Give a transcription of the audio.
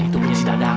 itu punya si dadang